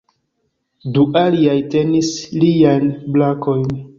Du aliaj tenis liajn brakojn.